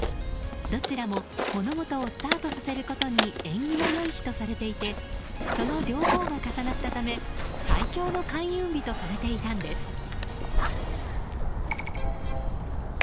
どちらも物事をスタートさせることに縁起の良い日とされていてその両方が重なったため最強の開運日とされていたんです。